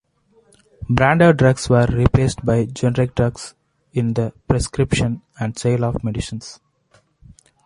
Branded drugs were replaced by generic drugs in the prescription and sale of medicines.